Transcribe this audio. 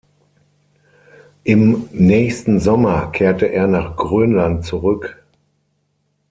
Im nächsten Sommer kehrte er nach Grönland zurück.